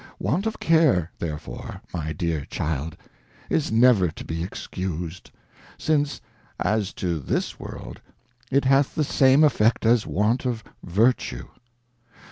Want of * j Care therefore, my dear Child, is never to be excus'd ; since, as to this World, it hath the same effect as want of Vertue.